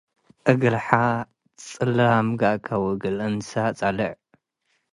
እግል ሐ ጽላም ገአከ - ወእግል እንሰ ጸልዕ፣